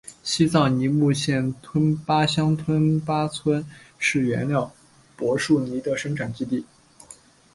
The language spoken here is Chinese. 西藏尼木县吞巴乡吞巴村是原料柏树泥的生产基地。